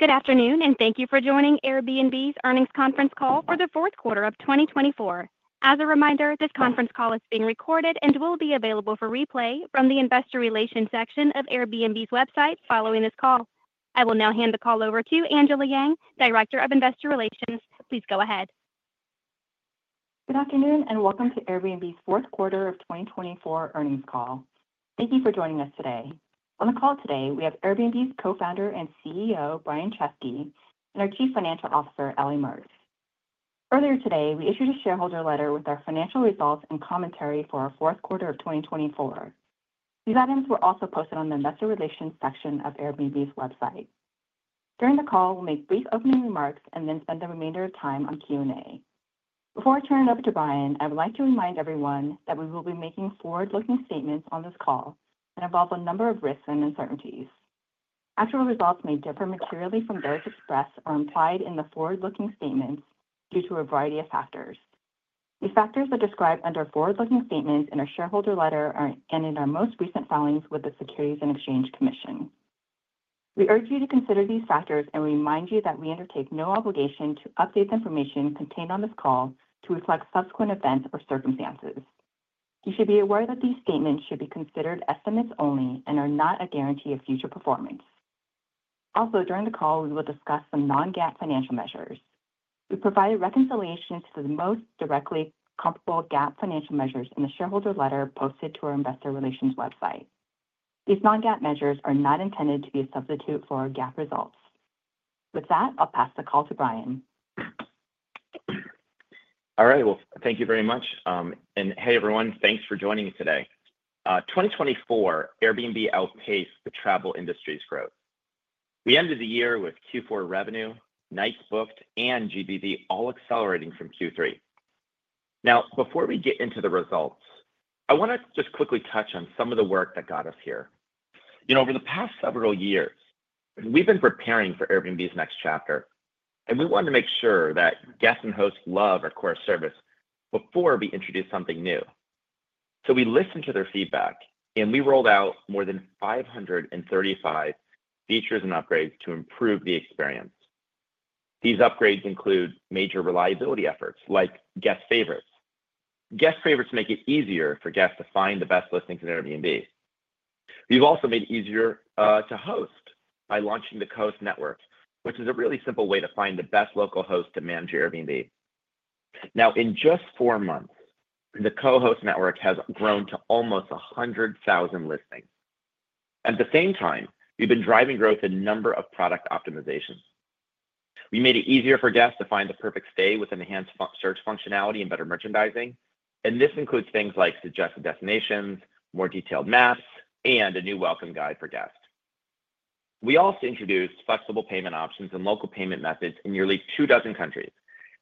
Good afternoon, and thank you for joining Airbnb's earnings conference call for the fourth quarter of 2024. As a reminder, this conference call is being recorded and will be available for replay from the investor relations section of Airbnb's website following this call. I will now hand the call over to Angela Yang, Director of Investor Relations. Please go ahead. Good afternoon, and welcome to Airbnb's fourth quarter of 2024 earnings call. Thank you for joining us today. On the call today, we have Airbnb's Co-founder and CEO, Brian Chesky, and our Chief Financial Officer, Ellie Mertz. Earlier today, we issued a shareholder letter with our financial results and commentary for our fourth quarter of 2024. These items were also posted on the investor relations section of Airbnb's website. During the call, we'll make brief opening remarks and then spend the remainder of time on Q&A. Before I turn it over to Brian, I would like to remind everyone that we will be making forward-looking statements on this call that involve a number of risks and uncertainties. Actual results may differ materially from those expressed or implied in the forward-looking statements due to a variety of factors. The factors that are described under forward-looking statements in our shareholder letter and in our most recent filings with the Securities and Exchange Commission. We urge you to consider these factors and remind you that we undertake no obligation to update the information contained on this call to reflect subsequent events or circumstances. You should be aware that these statements should be considered estimates only and are not a guarantee of future performance. Also, during the call, we will discuss some non-GAAP financial measures. We provide a reconciliation to the most directly comparable GAAP financial measures in the shareholder letter posted to our investor relations website. These non-GAAP measures are not intended to be a substitute for our GAAP results. With that, I'll pass the call to Brian. All right. Well, thank you very much, and hey, everyone, thanks for joining us today. 2024, Airbnb outpaced the travel industry's growth. We ended the year with Q4 revenue, nights booked, and GBV all accelerating from Q3. Now, before we get into the results, I want to just quickly touch on some of the work that got us here. You know, over the past several years, we've been preparing for Airbnb's next chapter, and we wanted to make sure that guests and hosts love our core service before we introduce something new. So we listened to their feedback, and we rolled out more than 535 features and upgrades to improve the experience. These upgrades include major reliability efforts like Guest Favorites. Guest Favorites make it easier for guests to find the best listings at Airbnb. We've also made it easier to host by launching the Co-Host Network, which is a really simple way to find the best local host to manage Airbnb. Now, in just four months, the Co-Host Network has grown to almost 100,000 listings. At the same time, we've been driving growth in a number of product optimizations. We made it easier for guests to find the perfect stay with enhanced search functionality and better merchandising. And this includes things like suggested destinations, more detailed maps, and a new Welcome Guide for guests. We also introduced flexible payment options and local payment methods in nearly two dozen countries,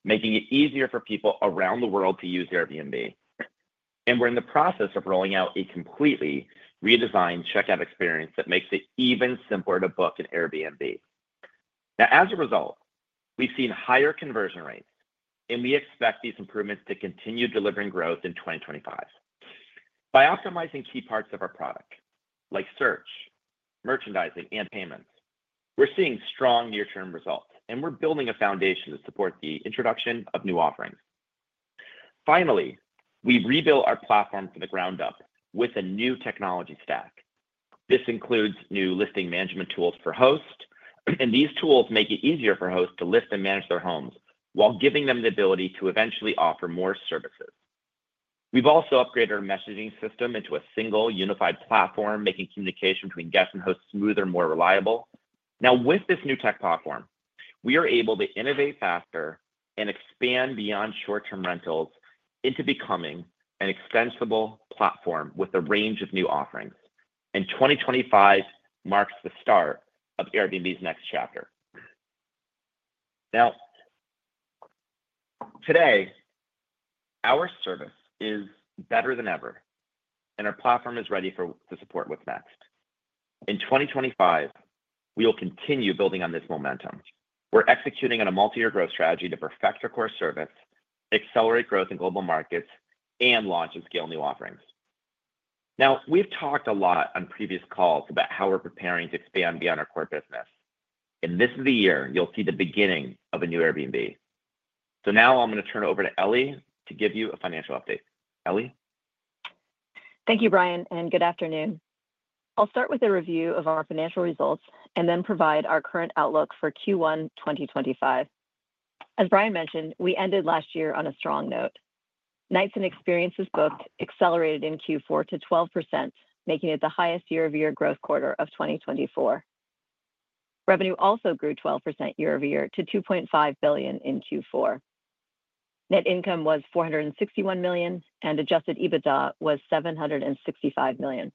making it easier for people around the world to use Airbnb. And we're in the process of rolling out a completely redesigned checkout experience that makes it even simpler to book at Airbnb. Now, as a result, we've seen higher conversion rates, and we expect these improvements to continue delivering growth in 2025. By optimizing key parts of our product, like search, merchandising, and payments, we're seeing strong near-term results, and we're building a foundation to support the introduction of new offerings. Finally, we've rebuilt our platform from the ground up with a new technology stack. This includes new listing management tools for hosts, and these tools make it easier for hosts to list and manage their homes while giving them the ability to eventually offer more services. We've also upgraded our messaging system into a single unified platform, making communication between guests and hosts smoother and more reliable. Now, with this new tech platform, we are able to innovate faster and expand beyond short-term rentals into becoming an extensible platform with a range of new offerings. 2025 marks the start of Airbnb's next chapter. Now, today, our service is better than ever, and our platform is ready to support what's next. In 2025, we will continue building on this momentum. We're executing on a multi-year growth strategy to perfect our core service, accelerate growth in global markets, and launch and scale new offerings. Now, we've talked a lot on previous calls about how we're preparing to expand beyond our core business. In this year, you'll see the beginning of a new Airbnb. Now I'm going to turn it over to Ellie to give you a financial update. Ellie. Thank you, Brian, and good afternoon. I'll start with a review of our financial results and then provide our current outlook for Q1 2025. As Brian mentioned, we ended last year on a strong note. Nights and Experiences Booked accelerated in Q4 to 12%, making it the highest year-over-year growth quarter of 2024. Revenue also grew 12% year-over-year to $2.5 billion in Q4. Net income was $461 million, and Adjusted EBITDA was $765 million.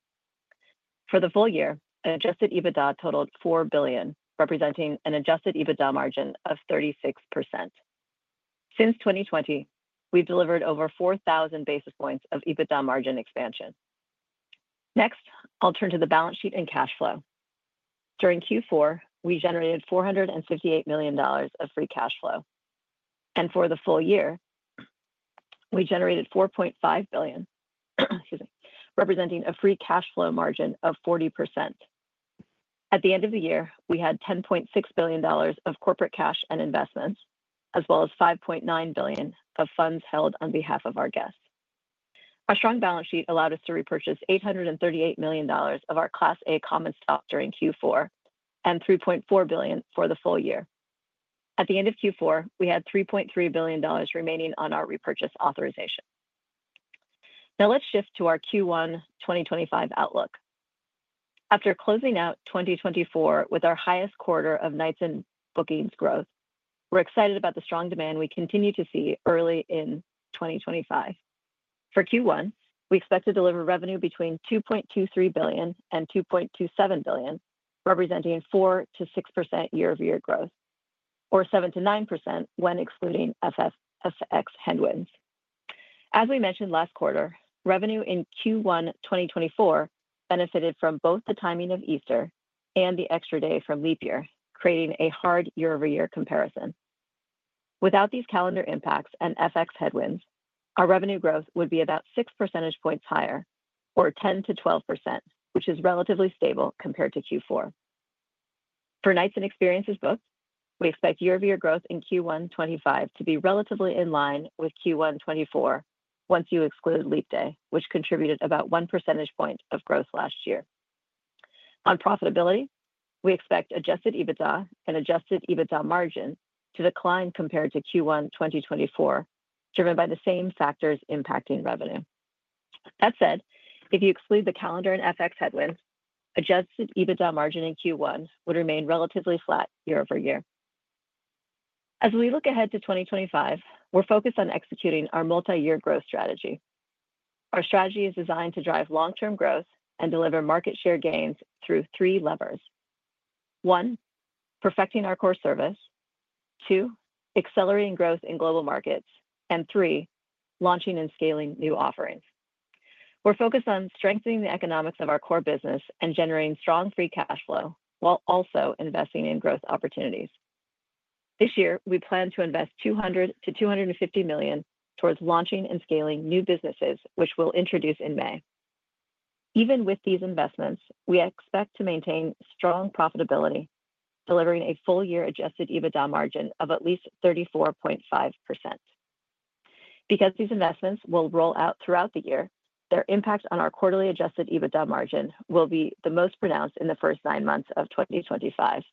For the full year, Adjusted EBITDA totaled $4 billion, representing an Adjusted EBITDA margin of 36%. Since 2020, we've delivered over 4,000 basis points of EBITDA margin expansion. Next, I'll turn to the balance sheet and cash flow. During Q4, we generated $458 million of Free Cash Flow. And for the full year, we generated $4.5 billion, representing a Free Cash Flow margin of 40%. At the end of the year, we had $10.6 billion of corporate cash and investments, as well as $5.9 billion of funds held on behalf of our guests. Our strong balance sheet allowed us to repurchase $838 million of our Class A Common Stock during Q4 and $3.4 billion for the full year. At the end of Q4, we had $3.3 billion remaining on our repurchase authorization. Now, let's shift to our Q1 2025 outlook. After closing out 2024 with our highest quarter of nights and bookings growth, we're excited about the strong demand we continue to see early in 2025. For Q1, we expect to deliver revenue between $2.23 billion and $2.27 billion, representing 4%-6% year-over-year growth, or 7%-9% when excluding FX headwinds. As we mentioned last quarter, revenue in Q1 2024 benefited from both the timing of Easter and the extra day from leap year, creating a hard year-over-year comparison. Without these calendar impacts and FX headwinds, our revenue growth would be about 6 percentage points higher, or 10%-12%, which is relatively stable compared to Q4. For nights and experiences booked, we expect year-over-year growth in Q1 2025 to be relatively in line with Q1 2024 once you exclude leap day, which contributed about 1 percentage point of growth last year. On profitability, we expect Adjusted EBITDA and Adjusted EBITDA margin to decline compared to Q1 2024, driven by the same factors impacting revenue. That said, if you exclude the calendar and FX headwinds, Adjusted EBITDA margin in Q1 would remain relatively flat year-over-year. As we look ahead to 2025, we're focused on executing our multi-year growth strategy. Our strategy is designed to drive long-term growth and deliver market share gains through three levers: one, perfecting our core service. Two, accelerating growth in global markets. And three, launching and scaling new offerings. We're focused on strengthening the economics of our core business and generating strong free cash flow while also investing in growth opportunities. This year, we plan to invest $200 million-$250 million towards launching and scaling new businesses, which we'll introduce in May. Even with these investments, we expect to maintain strong profitability, delivering a full-year Adjusted EBITDA margin of at least 34.5%. Because these investments will roll out throughout the year, their impact on our quarterly Adjusted EBITDA margin will be the most pronounced in the first nine months of 2025.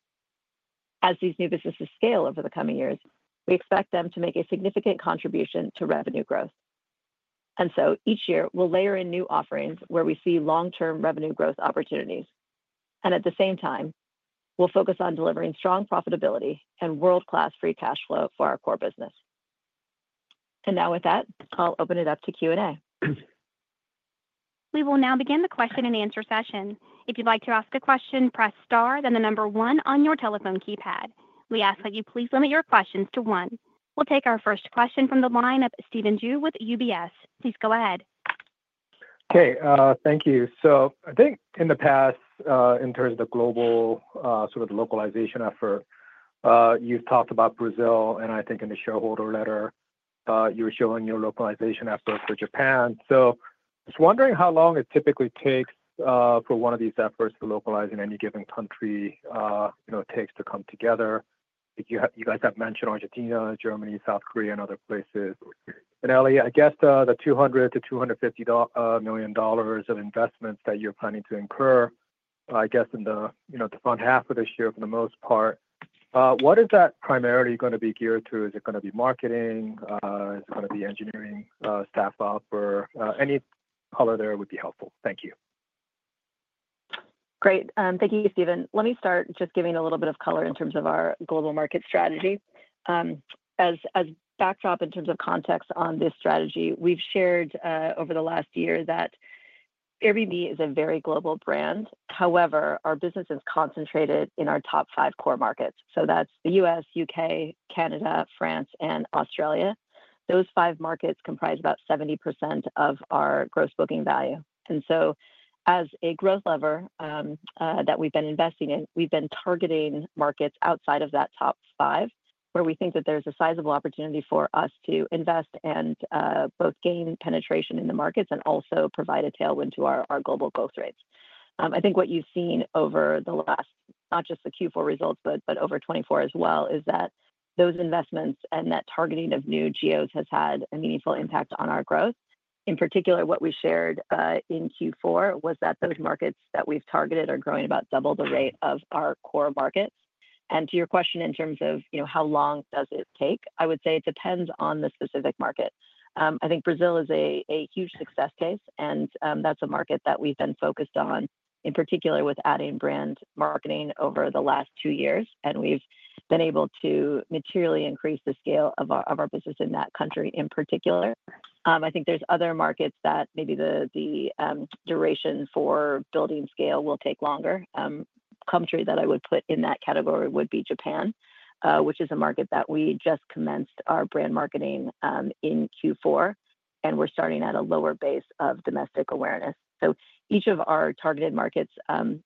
As these new businesses scale over the coming years, we expect them to make a significant contribution to revenue growth. And so, each year, we'll layer in new offerings where we see long-term revenue growth opportunities. And at the same time, we'll focus on delivering strong profitability and world-class free cash flow for our core business. And now, with that, I'll open it up to Q&A. We will now begin the question and answer session. If you'd like to ask a question, press star, then the number one on your telephone keypad. We ask that you please limit your questions to one. We'll take our first question from the line of Stephen Ju with UBS. Please go ahead. Okay. Thank you. So I think in the past, in terms of the global sort of localization effort, you've talked about Brazil, and I think in the shareholder letter, you were showing your localization effort for Japan. So I was wondering how long it typically takes for one of these efforts to localize in any given country, you know, it takes to come together. You guys have mentioned Argentina, Germany, South Korea, and other places. And Ellie, I guess the $200 million-$250 million of investments that you're planning to incur, I guess in the front half of this year, for the most part, what is that primarily going to be geared to? Is it going to be marketing? Is it going to be engineering staff up? Or any color there would be helpful. Thank you. Great. Thank you, Stephen. Let me start just giving a little bit of color in terms of our global market strategy. As backdrop in terms of context on this strategy, we've shared over the last year that Airbnb is a very global brand. However, our business is concentrated in our top five core markets. So that's the U.S., U.K., Canada, France, and Australia. Those five markets comprise about 70% of our gross booking value. And so, as a growth lever that we've been investing in, we've been targeting markets outside of that top five where we think that there's a sizable opportunity for us to invest and both gain penetration in the markets and also provide a tailwind to our global growth rates. I think what you've seen over the last, not just the Q4 results, but over 2024 as well, is that those investments and that targeting of new Geos has had a meaningful impact on our growth. In particular, what we shared in Q4 was that those markets that we've targeted are growing about double the rate of our core markets. And to your question in terms of, you know, how long does it take, I would say it depends on the specific market. I think Brazil is a huge success case, and that's a market that we've been focused on, in particular with adding brand marketing over the last two years. And we've been able to materially increase the scale of our business in that country in particular. I think there's other markets that maybe the duration for building scale will take longer. The country that I would put in that category would be Japan, which is a market that we just commenced our brand marketing in Q4, and we're starting at a lower base of domestic awareness. So each of our targeted markets,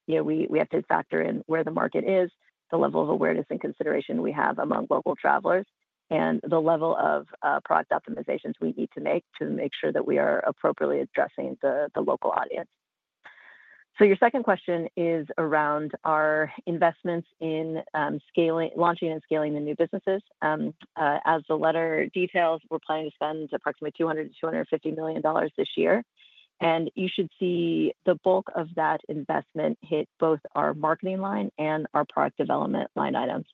you know, we have to factor in where the market is, the level of awareness and consideration we have among local travelers, and the level of product optimizations we need to make to make sure that we are appropriately addressing the local audience. So your second question is around our investments in launching and scaling the new businesses. As the letter details, we're planning to spend approximately $200 million-$250 million this year. And you should see the bulk of that investment hit both our marketing line and our product development line items.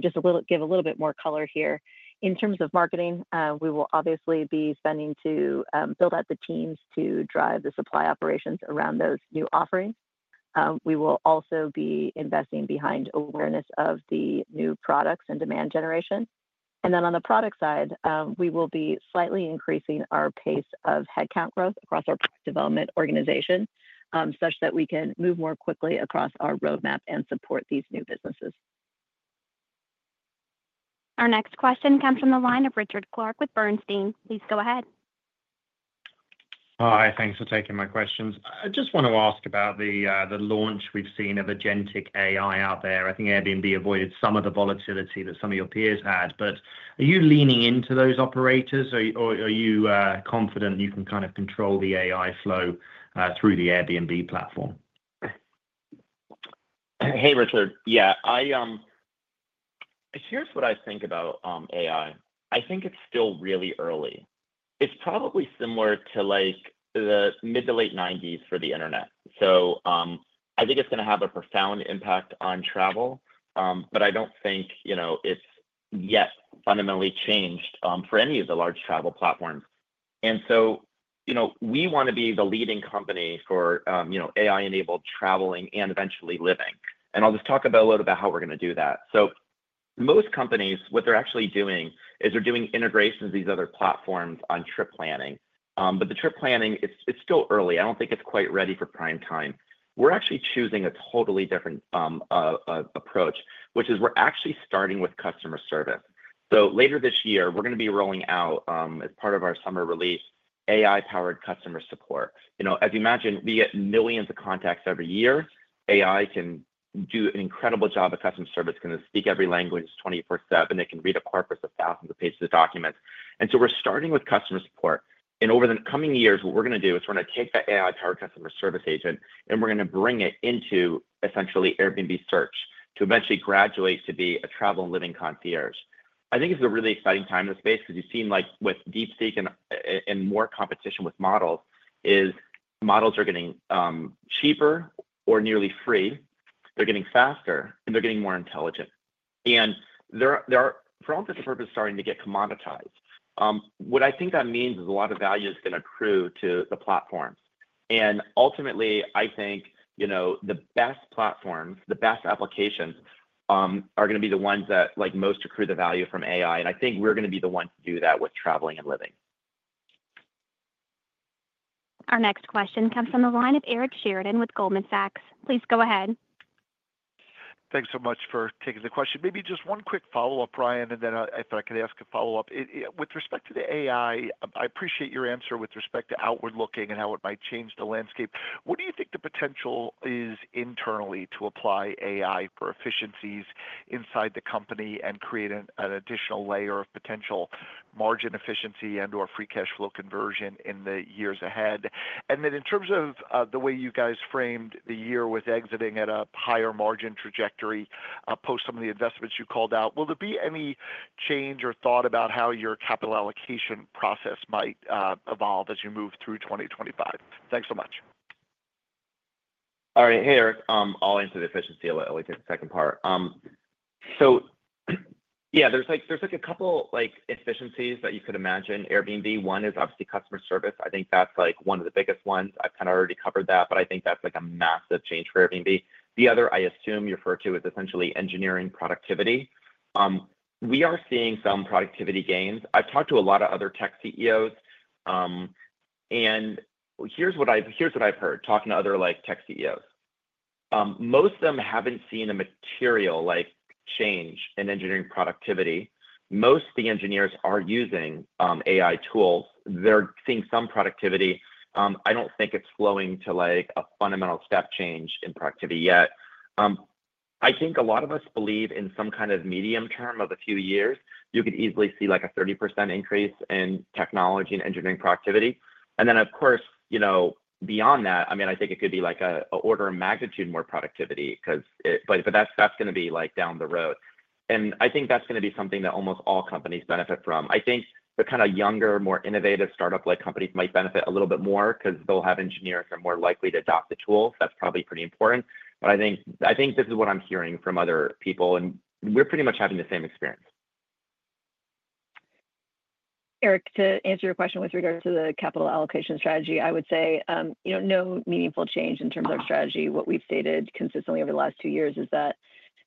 Just give a little bit more color here. In terms of marketing, we will obviously be spending to build out the teams to drive the supply operations around those new offerings. We will also be investing behind awareness of the new products and demand generation. And then on the product side, we will be slightly increasing our pace of headcount growth across our product development organization such that we can move more quickly across our roadmap and support these new businesses. Our next question comes from the line of Richard Clarke with Bernstein. Please go ahead. Hi. Thanks for taking my questions. I just want to ask about the launch we've seen of Agentic AI out there. I think Airbnb avoided some of the volatility that some of your peers had. But are you leaning into those operators, or are you confident you can kind of control the AI flow through the Airbnb platform? Hey, Richard. Yeah. Here's what I think about AI. I think it's still really early. It's probably similar to like the mid- to late 1990s for the internet. So I think it's going to have a profound impact on travel, but I don't think, you know, it's yet fundamentally changed for any of the large travel platforms. And so, you know, we want to be the leading company for, you know, AI-enabled traveling and eventually living. And I'll just talk a little bit about how we're going to do that. So most companies, what they're actually doing is they're doing integrations of these other platforms on trip planning. But the trip planning, it's still early. I don't think it's quite ready for prime time. We're actually choosing a totally different approach, which is we're actually starting with customer service. Later this year, we're going to be rolling out, as part of our Summer Release, AI-powered customer support. You know, as you imagine, we get millions of contacts every year. AI can do an incredible job of customer service. It's going to speak every language 24/7. It can read a corpus of thousands of pages of documents. And so we're starting with customer support. And over the coming years, what we're going to do is we're going to take that AI-powered customer service agent, and we're going to bring it into essentially Airbnb Search to eventually graduate to be a travel and living concierge. I think it's a really exciting time in the space because you've seen like with DeepSeek and more competition with models is models are getting cheaper or nearly free. They're getting faster, and they're getting more intelligent. They're, for all intents and purposes, starting to get commoditized. What I think that means is a lot of value is going to accrue to the platforms. Ultimately, I think, you know, the best platforms, the best applications are going to be the ones that like most accrue the value from AI. I think we're going to be the ones to do that with traveling and living. Our next question comes from the line of Eric Sheridan with Goldman Sachs. Please go ahead. Thanks so much for taking the question. Maybe just one quick follow-up, Brian, and then if I could ask a follow-up. With respect to the AI, I appreciate your answer with respect to outward looking and how it might change the landscape. What do you think the potential is internally to apply AI for efficiencies inside the company and create an additional layer of potential margin efficiency and/or free cash flow conversion in the years ahead? And then in terms of the way you guys framed the year with exiting at a higher margin trajectory post some of the investments you called out, will there be any change or thought about how your capital allocation process might evolve as you move through 2025? Thanks so much. All right. Hey, Eric. I'll answer the efficiency a little bit in the second part. So yeah, there's like a couple like efficiencies that you could imagine Airbnb. One is obviously customer service. I think that's like one of the biggest ones. I've kind of already covered that, but I think that's like a massive change for Airbnb. The other I assume you refer to is essentially engineering productivity. We are seeing some productivity gains. I've talked to a lot of other tech CEOs, and here's what I've heard talking to other tech CEOs. Most of them haven't seen a material change in engineering productivity. Most of the engineers are using AI tools. They're seeing some productivity. I don't think it's flowing to like a fundamental step change in productivity yet. I think a lot of us believe in some kind of medium term of a few years. You could easily see like a 30% increase in technology and engineering productivity, and then, of course, you know, beyond that, I mean, I think it could be like an order of magnitude more productivity, but that's going to be like down the road, and I think that's going to be something that almost all companies benefit from. I think the kind of younger, more innovative startup-like companies might benefit a little bit more because they'll have engineers that are more likely to adopt the tools. That's probably pretty important, but I think this is what I'm hearing from other people, and we're pretty much having the same experience. Eric, to answer your question with regards to the capital allocation strategy, I would say, you know, no meaningful change in terms of our strategy. What we've stated consistently over the last two years is that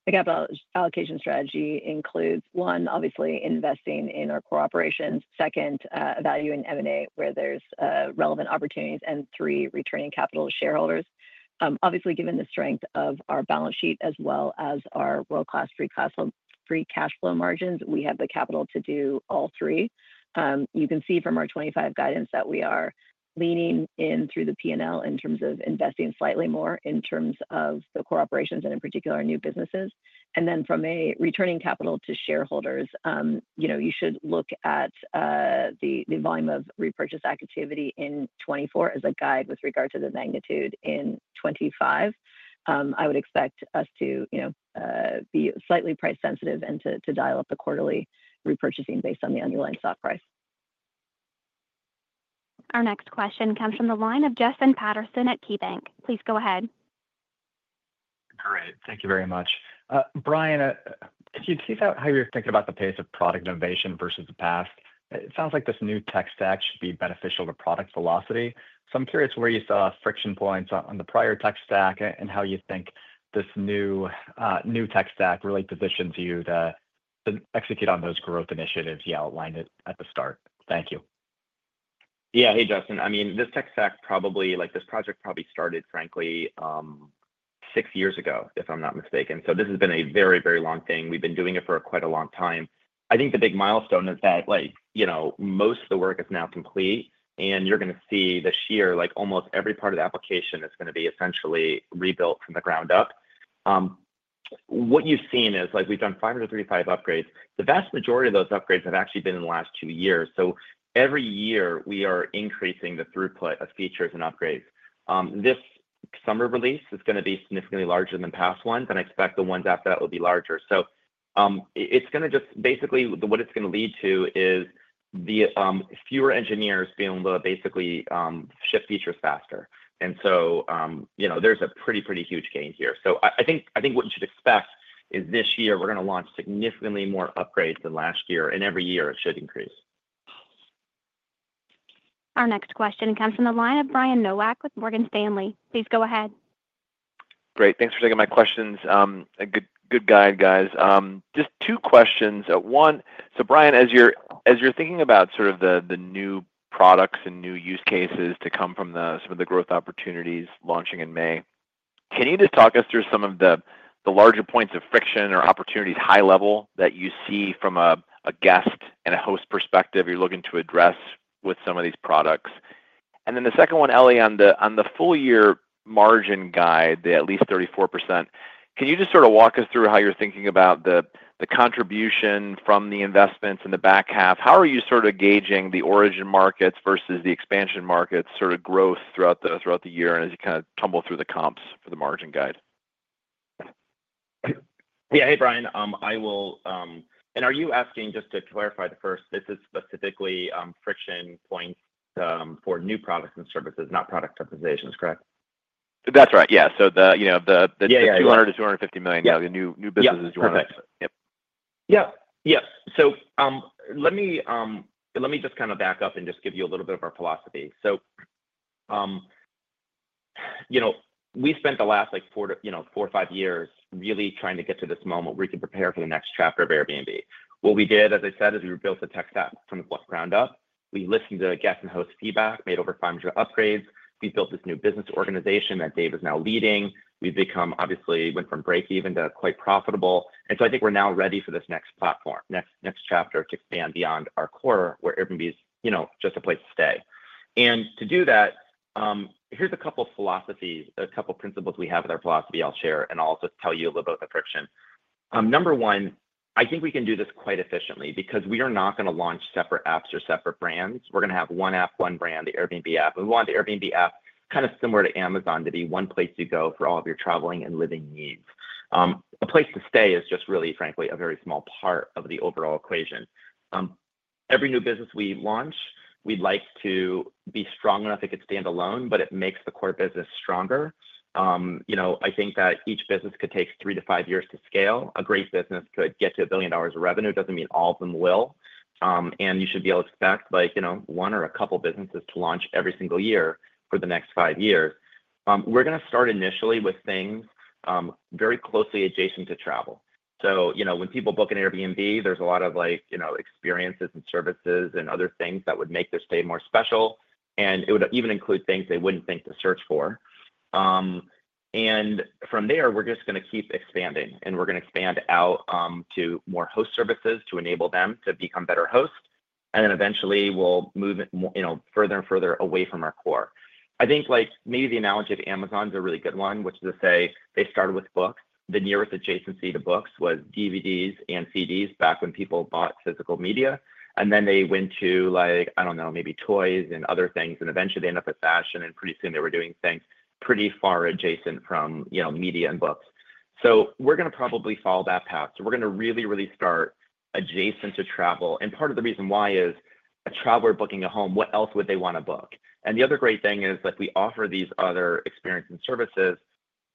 the capital allocation strategy includes, one, obviously investing in our core operations, second, evaluating M&A where there's relevant opportunities, and three, returning capital to shareholders. Obviously, given the strength of our balance sheet as well as our world-class free cash flow margins, we have the capital to do all three. You can see from our 2025 guidance that we are leaning in through the P&L in terms of investing slightly more in terms of the core operations and, in particular, new businesses, and then from a returning capital to shareholders, you know, you should look at the volume of repurchase activity in 2024 as a guide with regard to the magnitude in 2025. I would expect us to, you know, be slightly price-sensitive and to dial up the quarterly repurchasing based on the underlying stock price. Our next question comes from the line of Justin Patterson at Keybanc. Please go ahead. Great. Thank you very much. Brian, if you'd see how you're thinking about the pace of product innovation versus the past, it sounds like this new tech stack should be beneficial to product velocity. So I'm curious where you saw friction points on the prior tech stack and how you think this new tech stack really positions you to execute on those growth initiatives you outlined at the start? Thank you. Yeah. Hey, Justin. I mean, this tech stack probably, like this project probably started, frankly, six years ago, if I'm not mistaken. So this has been a very, very long thing. We've been doing it for quite a long time. I think the big milestone is that, like, you know, most of the work is now complete, and you're going to see this year, like almost every part of the application is going to be essentially rebuilt from the ground up. What you've seen is, like, we've done 535 upgrades. The vast majority of those upgrades have actually been in the last two years. So every year, we are increasing the throughput of features and upgrades. This summer release is going to be significantly larger than the past one, but I expect the ones after that will be larger. So it's going to just basically, what it's going to lead to is fewer engineers being able to basically ship features faster. And so, you know, there's a pretty, pretty huge gain here. So I think what you should expect is this year, we're going to launch significantly more upgrades than last year, and every year it should increase. Our next question comes from the line of Brian Nowak with Morgan Stanley. Please go ahead. Great. Thanks for taking my questions. Good guidance, guys. Just two questions. One, so Brian, as you're thinking about sort of the new products and new use cases to come from some of the growth opportunities launching in May, can you just talk us through some of the larger points of friction or opportunities high level that you see from a guest and a host perspective you're looking to address with some of these products? And then the second one, Ellie, on the full-year margin guidance, the at least 34%, can you just sort of walk us through how you're thinking about the contribution from the investments in the back half? How are you sort of gauging the origin markets versus the expansion markets sort of growth throughout the year as you kind of tumble through the comps for the margin guidance? Yeah. Hey, Brian. I will. And are you asking just to clarify the first, this is specifically friction points for new products and services, not product optimizations, correct? That's right. Yeah. So the, you know, the $200 million-$250 million, yeah, the new businesses you want to. Yeah. Perfect. Yep. Yeah. Yep. So let me just kind of back up and just give you a little bit of our philosophy. So, you know, we spent the last, like, four or five years really trying to get to this moment where we could prepare for the next chapter of Airbnb. What we did, as I said, is we built a tech stack from the ground up. We listened to guest and host feedback, made over 500 upgrades. We built this new business organization that Dave is now leading. We've become, obviously, went from break-even to quite profitable. And so I think we're now ready for this next platform, next chapter to expand beyond our core where Airbnb is, you know, just a place to stay. And to do that, here's a couple of philosophies, a couple of principles we have with our philosophy I'll share, and I'll also tell you a little bit about the friction. Number one, I think we can do this quite efficiently because we are not going to launch separate apps or separate brands. We're going to have one app, one brand, the Airbnb app. We want the Airbnb app kind of similar to Amazon to be one place you go for all of your traveling and living needs. A place to stay is just really, frankly, a very small part of the overall equation. Every new business we launch, we'd like to be strong enough it could stand alone, but it makes the core business stronger. You know, I think that each business could take three to five years to scale. A great business could get to $1 billion of revenue. It doesn't mean all of them will, and you should be able to expect like, you know, one or a couple of businesses to launch every single year for the next five years. We're going to start initially with things very closely adjacent to travel, so, you know, when people book an Airbnb, there's a lot of like, you know, experiences and services and other things that would make their stay more special. And it would even include things they wouldn't think to search for. And from there, we're just going to keep expanding, and we're going to expand out to more host services to enable them to become better hosts. And then eventually, we'll move, you know, further and further away from our core. I think like maybe the analogy of Amazon is a really good one, which is to say they started with books. The nearest adjacency to books was DVDs and CDs back when people bought physical media. And then they went to like, I don't know, maybe toys and other things. And eventually, they ended up with fashion, and pretty soon, they were doing things pretty far adjacent from, you know, media and books. So we're going to probably follow that path. So we're going to really, really start adjacent to travel. And part of the reason why is a traveler booking a home, what else would they want to book? And the other great thing is like we offer these other experiences and services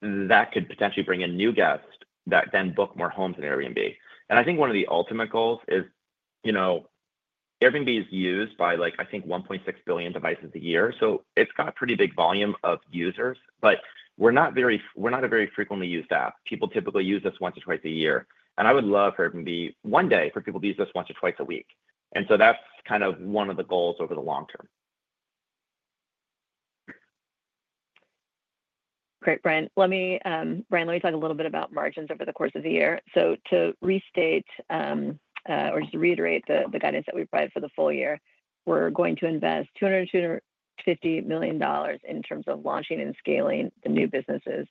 that could potentially bring in new guests that then book more homes than Airbnb. I think one of the ultimate goals is, you know, Airbnb is used by like, I think, 1.6 billion devices a year. So it's got a pretty big volume of users, but we're not a very frequently used app. People typically use us once or twice a year. I would love for Airbnb one day for people to use us once or twice a week. So that's kind of one of the goals over the long term. Great, Brian. Let me talk a little bit about margins over the course of the year. So to restate or just reiterate the guidance that we provide for the full year, we're going to invest $250 million in terms of launching and scaling the new businesses.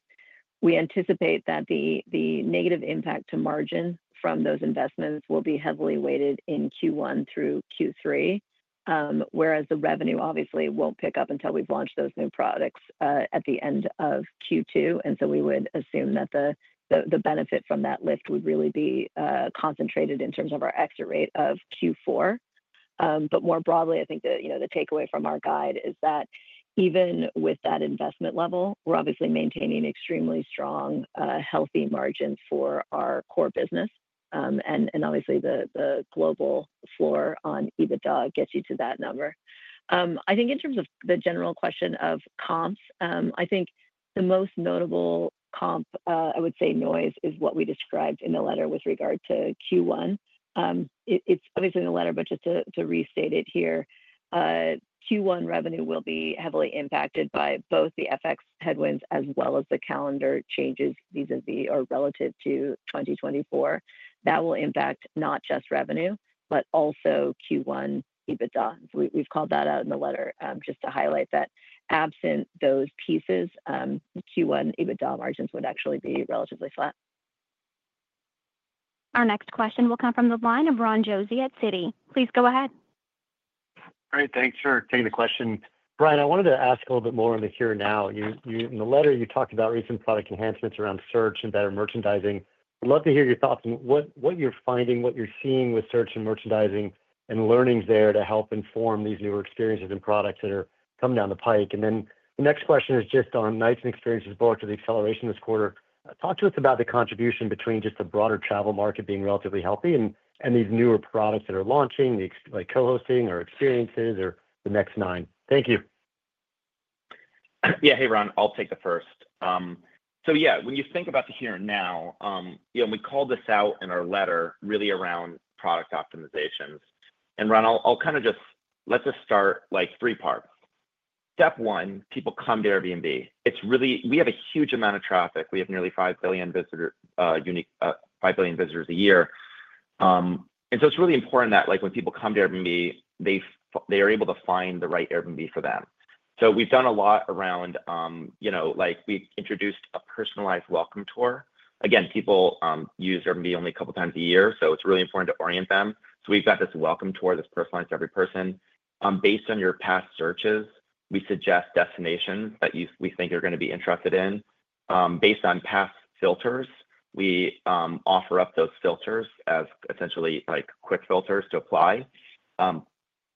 We anticipate that the negative impact to margin from those investments will be heavily weighted in Q1 through Q3, whereas the revenue obviously won't pick up until we've launched those new products at the end of Q2. And so we would assume that the benefit from that lift would really be concentrated in terms of our exit rate of Q4. But more broadly, I think the, you know, the takeaway from our guide is that even with that investment level, we're obviously maintaining extremely strong, healthy margins for our core business. And obviously, the global floor on EBITDA gets you to that number. I think in terms of the general question of comps, I think the most notable comp, I would say noise, is what we described in the letter with regard to Q1. It's obviously in the letter, but just to restate it here, Q1 revenue will be heavily impacted by both the FX headwinds as well as the calendar changes vis-à-vis or relative to 2024. That will impact not just revenue, but also Q1 EBITDA. So we've called that out in the letter just to highlight that absent those pieces, Q1 EBITDA margins would actually be relatively flat. Our next question will come from the line of Ron Josey at Citi. Please go ahead. All right. Thanks for taking the question. Brian, I wanted to ask a little bit more on the here and now. In the letter, you talked about recent product enhancements around search and better merchandising. I'd love to hear your thoughts on what you're finding, what you're seeing with search and merchandising and learnings there to help inform these newer experiences and products that are coming down the pike. And then the next question is just on Nights and Experiences' bulk of the acceleration this quarter. Talk to us about the contribution between just the broader travel market being relatively healthy and these newer products that are launching, like co-hosting or experiences or NextPax. Thank you. Yeah. Hey, Ron. I'll take the first. So yeah, when you think about the here and now, you know, we called this out in our letter really around product optimizations. And, Ron, I'll kind of just let this start like three parts. Step one, people come to Airbnb. It's really, we have a huge amount of traffic. We have nearly five billion visitors, five billion visitors a year. And so it's really important that like when people come to Airbnb, they are able to find the right Airbnb for them. So we've done a lot around, you know, like we've introduced a personalized welcome tour. Again, people use Airbnb only a couple of times a year, so it's really important to orient them. So we've got this welcome tour that's personalized to every person. Based on your past searches, we suggest destinations that we think you're going to be interested in. Based on past filters, we offer up those filters as essentially like quick filters to apply.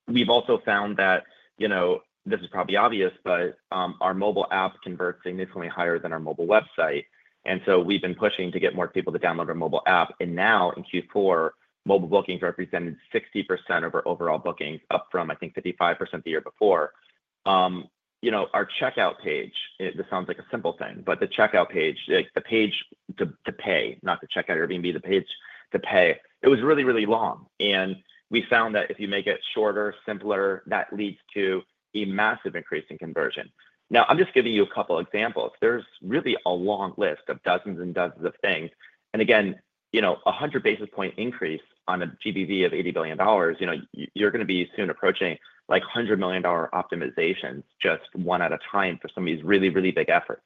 We've also found that, you know, this is probably obvious, but our mobile app converts significantly higher than our mobile website. And so we've been pushing to get more people to download our mobile app. And now in Q4, mobile bookings represented 60% of our overall bookings, up from, I think, 55% the year before. You know, our checkout page, this sounds like a simple thing, but the checkout page, like the page to pay, not to check out Airbnb, the page to pay, it was really, really long. And we found that if you make it shorter, simpler, that leads to a massive increase in conversion. Now, I'm just giving you a couple of examples. There's really a long list of dozens and dozens of things. And again, you know, a 100 basis point increase on a GBV of $80 billion, you know, you're going to be soon approaching like $100 million optimizations just one at a time for some of these really, really big efforts.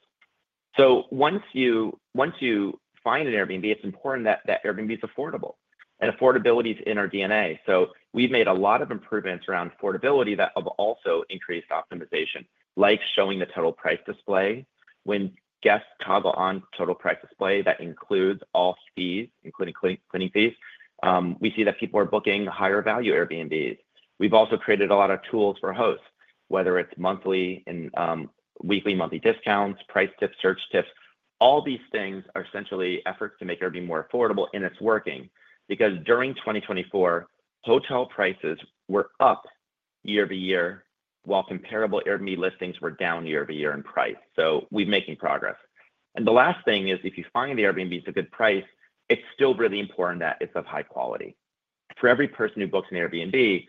So once you find an Airbnb, it's important that that Airbnb is affordable. And affordability is in our DNA. So we've made a lot of improvements around affordability that have also increased optimization, like showing the total price display. When guests toggle on total price display, that includes all fees, including cleaning fees. We see that people are booking higher value Airbnbs. We've also created a lot of tools for hosts, whether it's monthly and weekly, monthly discounts, price tips, search tips. All these things are essentially efforts to make Airbnb more affordable, and it's working because during 2024, hotel prices were up year-to-year while comparable Airbnb listings were down year-to-year in price. So we're making progress. And the last thing is if you find the Airbnb is a good price, it's still really important that it's of high quality. For every person who books an Airbnb,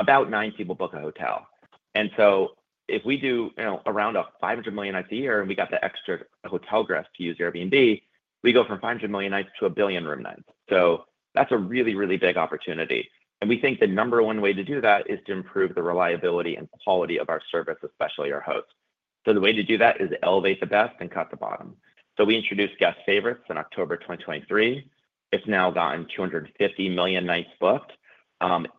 about nine people book a hotel. And so if we do, you know, around a 500 million nights a year, and we got the extra hotel guests to use Airbnb, we go from 500 million nights to a billion room nights. So that's a really, really big opportunity. And we think the number one way to do that is to improve the reliability and quality of our service, especially our hosts. So the way to do that is elevate the best and cut the bottom. So we introduced Guest Favorites in October 2023. It's now gotten 250 million nights booked.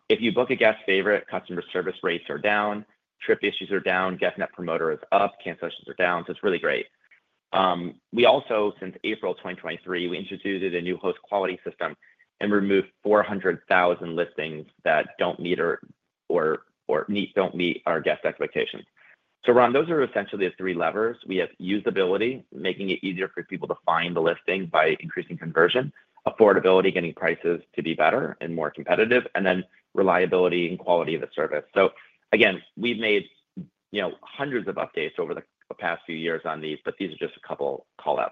If you book a Guest Favorite, customer service rates are down, trip issues are down, guest Net Promoter is up, cancellations are down. So it's really great. We also, since April 2023, we introduced a new host quality system and removed 400,000 listings that don't meet our guest expectations. So, Ron, those are essentially the three levers. We have usability, making it easier for people to find the listing by increasing conversion, affordability, getting prices to be better and more competitive, and then reliability and quality of the service. So again, we've made, you know, hundreds of updates over the past few years on these, but these are just a couple of callouts.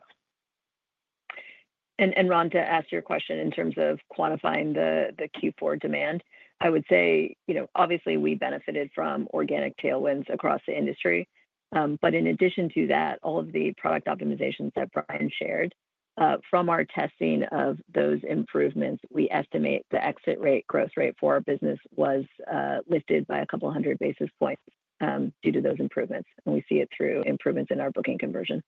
Ron, to answer your question in terms of quantifying the Q4 demand, I would say, you know, obviously we benefited from organic tailwinds across the industry. But in addition to that, all of the product optimizations that Brian shared. From our testing of those improvements, we estimate the exit rate, gross rate for our business was lifted by a couple of hundred basis points due to those improvements. And we see it through improvements in our booking conversion.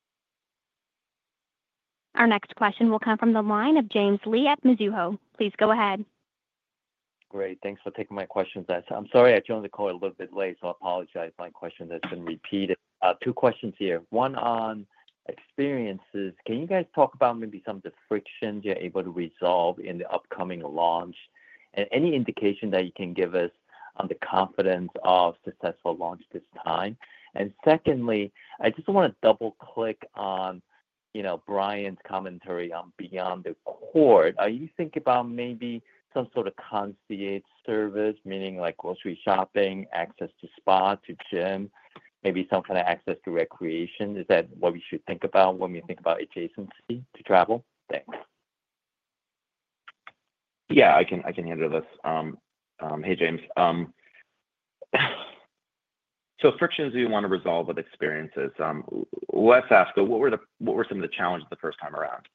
Our next question will come from the line of James Lee at Mizuho. Please go ahead. Great. Thanks for taking my questions there. So I'm sorry I joined the call a little bit late. So I apologize. My question has been repeated. Two questions here. One on experiences. Can you guys talk about maybe some of the frictions you're able to resolve in the upcoming launch and any indication that you can give us on the confidence of successful launch this time? And secondly, I just want to double-click on, you know, Brian's commentary on beyond the core. Are you thinking about maybe some sort of concierge service, meaning like grocery shopping, access to spa, to gym, maybe some kind of access to recreation? Is that what we should think about when we think about adjacency to travel? Thanks. Yeah, I can handle this. Hey, James. So frictions we want to resolve with experiences. Let's ask, what were some of the challenges the first time around?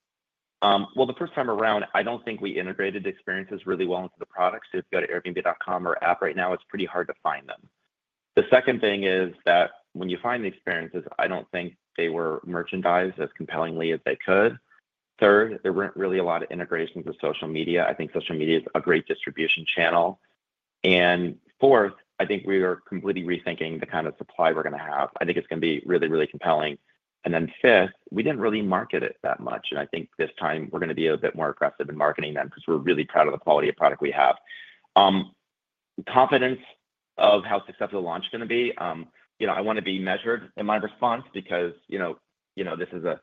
Well, the first time around, I don't think we integrated experiences really well into the products. If you go to Airbnb.com or app right now, it's pretty hard to find them. The second thing is that when you find the experiences, I don't think they were merchandised as compellingly as they could. Third, there weren't really a lot of integrations with social media. I think social media is a great distribution channel. And fourth, I think we are completely rethinking the kind of supply we're going to have. I think it's going to be really, really compelling. And then fifth, we didn't really market it that much. And I think this time we're going to be a bit more aggressive in marketing them because we're really proud of the quality of product we have with confidence in how successful the launch is going to be. You know, I want to be measured in my response because, you know, this is a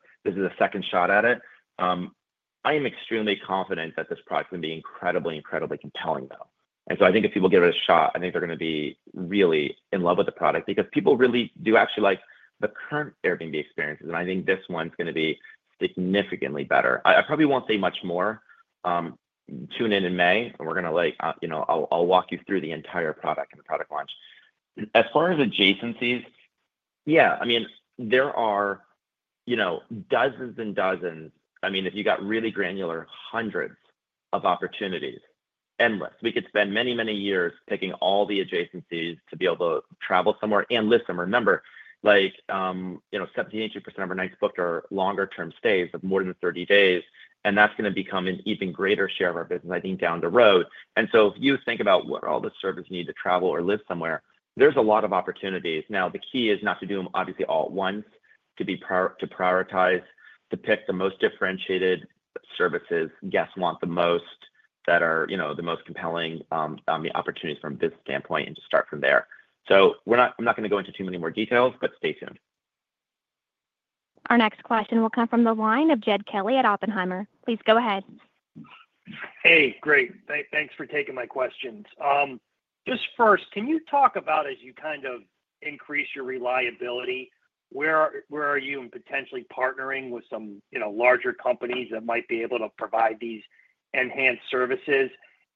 second shot at it. I am extremely confident that this product is going to be incredibly, incredibly compelling, though. And so I think if people give it a shot, I think they're going to be really in love with the product because people really do actually like the current Airbnb Experiences. And I think this one's going to be significantly better. I probably won't say much more. Tune in in May, and we're going to, like, you know, I'll walk you through the entire product and the product launch. As far as adjacencies, yeah, I mean, there are, you know, dozens and dozens. I mean, if you got really granular, hundreds of opportunities, endless. We could spend many, many years picking all the adjacencies to be able to travel somewhere and live somewhere. Remember, like, you know, 70%-80% of our nights booked are longer-term stays of more than 30 days. And that's going to become an even greater share of our business, I think, down the road. And so if you think about what all the services needed to travel or live somewhere, there's a lot of opportunities. Now, the key is not to do them, obviously, all at once, to prioritize, to pick the most differentiated services guests want the most that are, you know, the most compelling and the opportunities from this standpoint and to start from there. So I'm not going to go into too many more details, but stay tuned. Our next question will come from the line of Jed Kelly at Oppenheimer. Please go ahead. Hey, great. Thanks for taking my questions. Just first, can you talk about, as you kind of increase your reliability, where are you in potentially partnering with some, you know, larger companies that might be able to provide these enhanced services?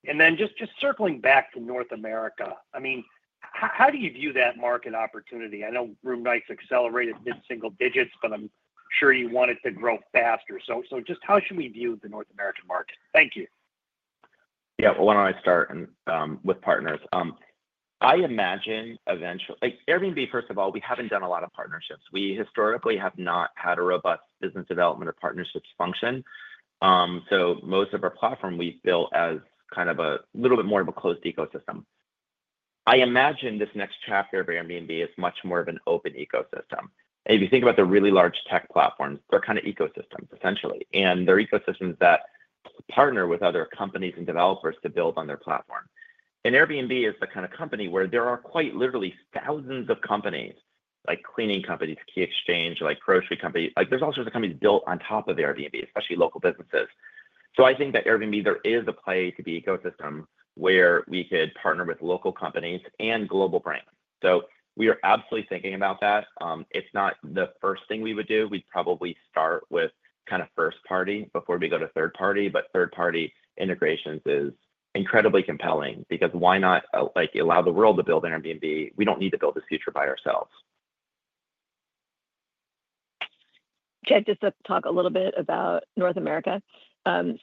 And then just circling back to North America, I mean, how do you view that market opportunity? I know room nights accelerated did single digits, but I'm sure you want it to grow faster. So just how should we view the North American market? Thank you. Yeah, well, why don't I start with partners? I imagine eventually, like Airbnb, first of all, we haven't done a lot of partnerships. We historically have not had a robust business development or partnerships function. So most of our platform we've built as kind of a little bit more of a closed ecosystem. I imagine this next chapter of Airbnb is much more of an open ecosystem. And if you think about the really large tech platforms, they're kind of ecosystems, essentially. And they're ecosystems that partner with other companies and developers to build on their platform. And Airbnb is the kind of company where there are quite literally thousands of companies, like cleaning companies, Key Exchange, like grocery companies. Like there's all sorts of companies built on top of Airbnb, especially local businesses. So I think that for Airbnb, there is a play to be an ecosystem where we could partner with local companies and global brands. So we are absolutely thinking about that. It's not the first thing we would do. We'd probably start with kind of first-party before we go to third-party. But third-party integrations is incredibly compelling because why not, like, allow the world to build Airbnb? We don't need to build this future by ourselves. Jed, just to talk a little bit about North America.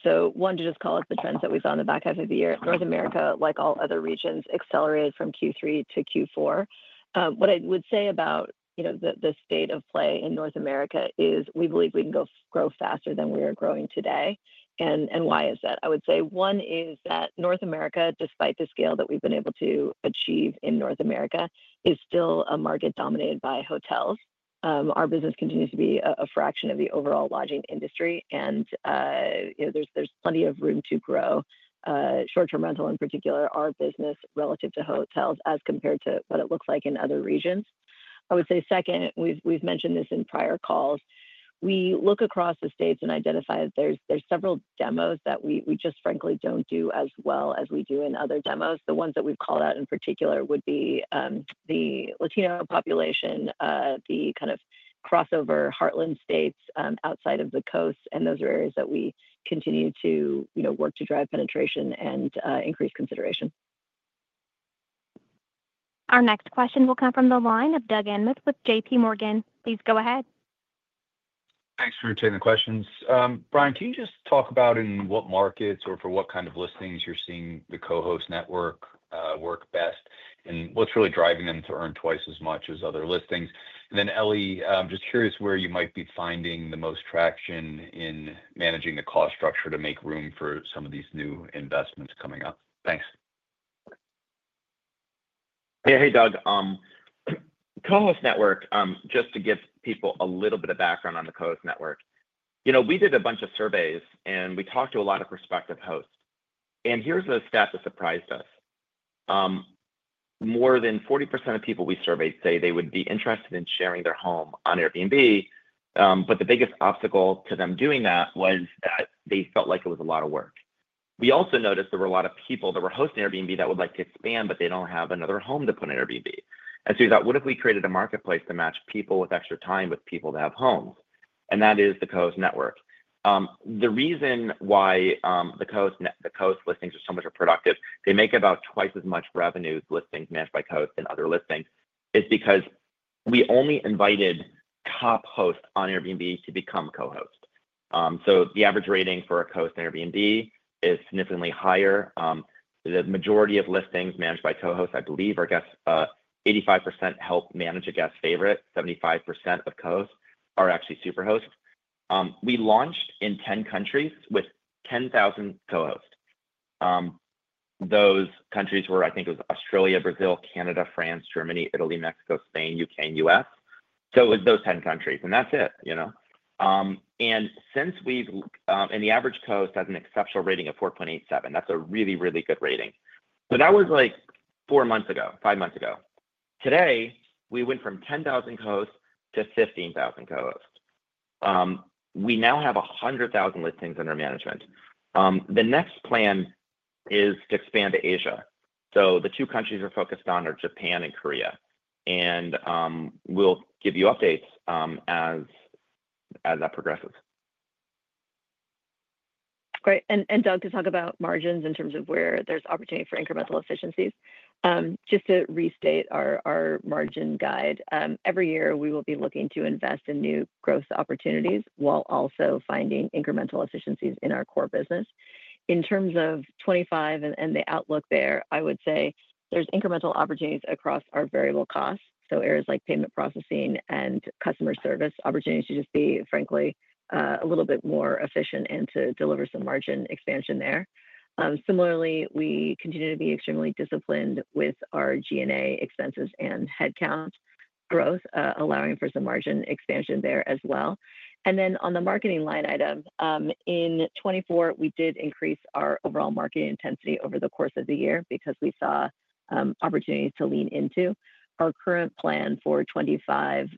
So, one, to just call it, the trends that we saw in the back half of the year. North America, like all other regions, accelerated from Q3 to Q4. What I would say about, you know, the state of play in North America is we believe we can go grow faster than we are growing today. And why is that? I would say one is that North America, despite the scale that we've been able to achieve in North America, is still a market dominated by hotels. Our business continues to be a fraction of the overall lodging industry. And, you know, there's plenty of room to grow. Short-term rental in particular, our business relative to hotels as compared to what it looks like in other regions. I would say second, we've mentioned this in prior calls. We look across the states and identify that there's several demos that we just frankly don't do as well as we do in other demos. The ones that we've called out in particular would be the Latino population, the kind of crossover heartland states outside of the coast, and those are areas that we continue to, you know, work to drive penetration and increase consideration. Our next question will come from the line of Doug Anmuth with JPMorgan. Please go ahead. Thanks for taking the questions. Brian, can you just talk about in what markets or for what kind of listings you're seeing the Co-Host Network work best and what's really driving them to earn twice as much as other listings? And then Ellie, just curious where you might be finding the most traction in managing the cost structure to make room for some of these new investments coming up. Thanks. Yeah, hey, Doug. Co-Host Network, just to give people a little bit of background on the Co-Host Network. You know, we did a bunch of surveys, and we talked to a lot of prospective hosts. And here's the stuff that surprised us. More than 40% of people we surveyed say they would be interested in sharing their home on Airbnb, but the biggest obstacle to them doing that was that they felt like it was a lot of work. We also noticed there were a lot of people that were hosting Airbnb that would like to expand, but they don't have another home to put on Airbnb. And so we thought, what if we created a marketplace to match people with extra time with people that have homes? And that is the Co-Host Network. The reason why the co-host listings are so much more productive, they make about twice as much revenue listings managed by co-hosts than other listings, is because we only invited top hosts on Airbnb to become co-hosts. So the average rating for a co-host on Airbnb is significantly higher. The majority of listings managed by co-hosts, I believe, are Guest Favorites. 85% help manage a Guest Favorite. 75% of co-hosts are actually Superhosts. We launched in 10 countries with 10,000 co-hosts. Those countries were, I think it was Australia, Brazil, Canada, France, Germany, Italy, Mexico, Spain, UK, and US. So it was those 10 countries. And that's it, you know? The average co-host has an exceptional rating of 4.87. That's a really, really good rating. So that was like four months ago, five months ago. Today, we went from 10,000 co-hosts to 15,000 co-hosts. We now have 100,000 listings under management. The next plan is to expand to Asia so the two countries we're focused on are Japan and Korea, and we'll give you updates as that progresses. Great. And Doug, to talk about margins in terms of where there's opportunity for incremental efficiencies. Just to restate our margin guide, every year we will be looking to invest in new growth opportunities while also finding incremental efficiencies in our core business. In terms of 2025 and the outlook there, I would say there's incremental opportunities across our variable costs. So areas like payment processing and customer service opportunities to just be, frankly, a little bit more efficient and to deliver some margin expansion there. Similarly, we continue to be extremely disciplined with our G&A expenses and headcount growth, allowing for some margin expansion there as well. And then on the marketing line item, in 2024, we did increase our overall market intensity over the course of the year because we saw opportunities to lean into our current plan for 2025,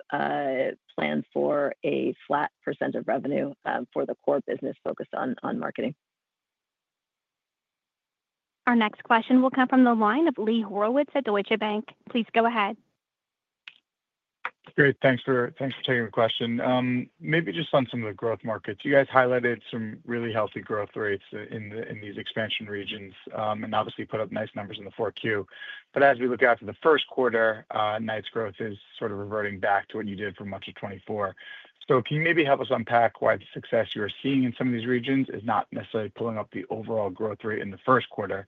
for a flat % of revenue for the core business focused on marketing. Our next question will come from the line of Lee Horowitz at Deutsche Bank. Please go ahead. Great. Thanks for taking the question. Maybe just on some of the growth markets. You guys highlighted some really healthy growth rates in these expansion regions and obviously put up nice numbers in the Q4. But as we look out to the first quarter, nights growth is sort of reverting back to what you did for much of 2024. So can you maybe help us unpack why the success you're seeing in some of these regions is not necessarily pulling up the overall growth rate in the first quarter?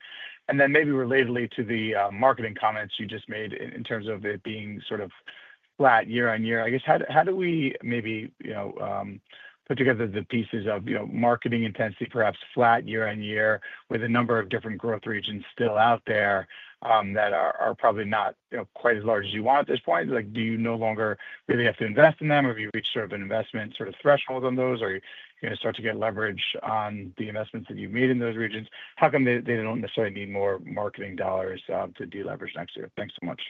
And then maybe relatedly to the marketing comments you just made in terms of it being sort of flat year on year, I guess, how do we maybe, you know, put together the pieces of, you know, marketing intensity, perhaps flat year on year with a number of different growth regions still out there that are probably not quite as large as you want at this point? Like, do you no longer really have to invest in them? Have you reached sort of an investment sort of threshold on those? Are you going to start to get leverage on the investments that you've made in those regions? How come they don't necessarily need more marketing dollars to deleverage next year? Thanks so much.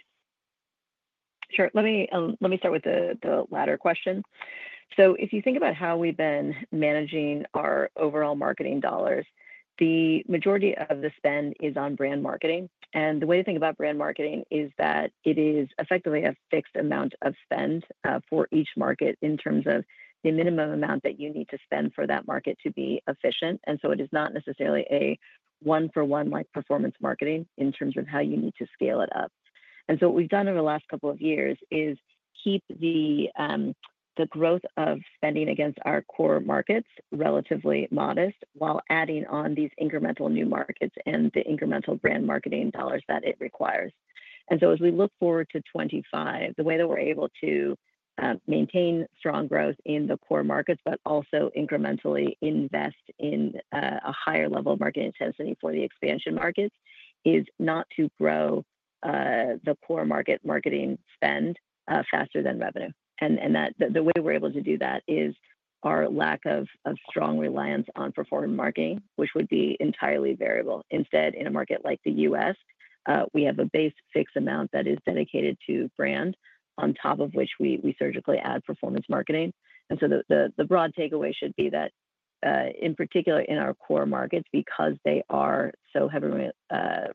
Sure. Let me start with the latter question. So if you think about how we've been managing our overall marketing dollars, the majority of the spend is on brand marketing. And the way to think about brand marketing is that it is effectively a fixed amount of spend for each market in terms of the minimum amount that you need to spend for that market to be efficient. And so it is not necessarily a one-for-one like performance marketing in terms of how you need to scale it up. And so what we've done over the last couple of years is keep the growth of spending against our core markets relatively modest while adding on these incremental new markets and the incremental brand marketing dollars that it requires. As we look forward to 2025, the way that we are able to maintain strong growth in the core markets, but also incrementally invest in a higher level of market intensity for the expansion markets, is not to grow the core market marketing spend faster than revenue. The way we are able to do that is our lack of strong reliance on performance marketing, which would be entirely variable. Instead, in a market like the U.S., we have a base fixed amount that is dedicated to brand, on top of which we surgically add performance marketing. The broad takeaway should be that, in particular in our core markets, because they are so heavily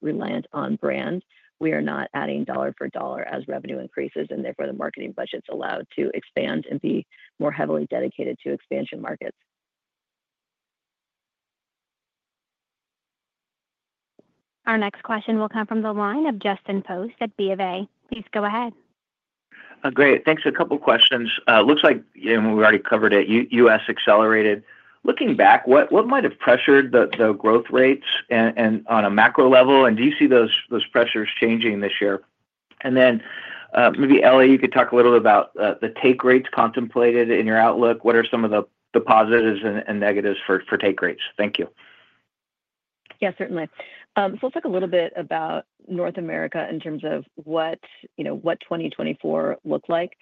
reliant on brand, we are not adding dollar for dollar as revenue increases, and therefore the marketing budget is allowed to expand and be more heavily dedicated to expansion markets. Our next question will come from the line of Justin Post at BofA. Please go ahead. Great. Thanks for a couple of questions. Looks like, you know, we already covered it, U.S. accelerated. Looking back, what might have pressured the growth rates on a macro level? And do you see those pressures changing this year? And then maybe Ellie, you could talk a little bit about the take rates contemplated in your outlook. What are some of the positives and negatives for take rates? Thank you. Yeah, certainly. So let's talk a little bit about North America in terms of what, you know, what 2024 looked like.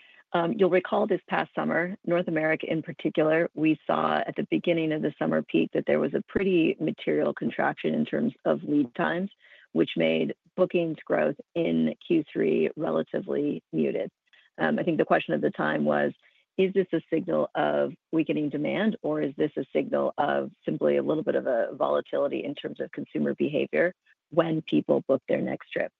You'll recall this past summer, North America in particular, we saw at the beginning of the summer peak that there was a pretty material contraction in terms of lead times, which made bookings growth in Q3 relatively muted. I think the question at the time was, is this a signal of weakening demand, or is this a signal of simply a little bit of a volatility in terms of consumer behavior when people book their next trip?